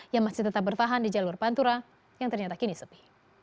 yang masih tetap bertahan di jalur pantura yang ternyata kini sepi